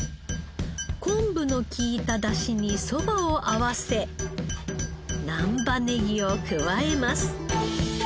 昆布の利いた出汁にそばを合わせ難波ネギを加えます。